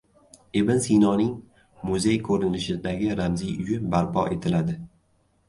Ibn Sinoning muzey ko‘rinishidagi ramziy uyi barpo etiladi